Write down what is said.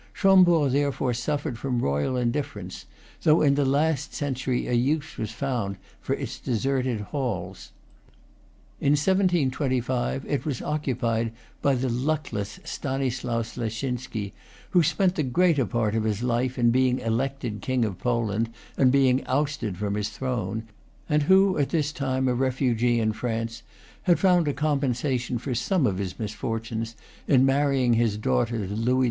Chambord therefore suffered from royal indifference, though in the last century a use was found for its deserted halls. In 1725 it was oc cupied by the luckless Stanislaus Leszczynski, who spent the greater part of his life in being elected King of Poland and being ousted from his throne, and who, at this time a refugee in France, had found a compensation for some of his misfortunes in marry ing his daughter to Louis XV.